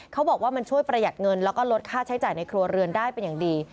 เขาบอกว่ามันช่วยประหยัดเงินแล้วก็ลดค่าใช้จ่ายในครัวเรือนได้เป็นอย่างดี